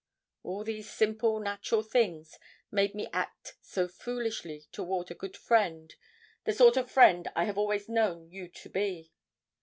All these simple natural things made me act so foolishly toward a good friend, the sort of friend I have always known you to be.